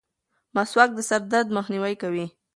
مسواک د سر درد مخنیوی کوي.